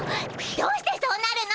どうしてそうなるの！